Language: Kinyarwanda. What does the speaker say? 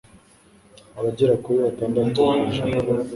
Abagera kuri batandatu ku ijana